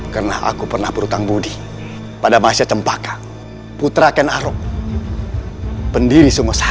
karena aku pernah berhutang budi pada mahisya cempaka putra akan aruk pendiri sungai sari